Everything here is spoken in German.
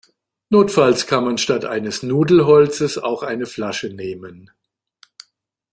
Notfalls kann man statt eines Nudelholzes auch eine Flasche nehmen.